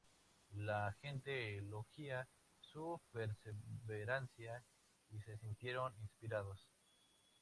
La gente elogió su perseverancia y se sintieron inspirados.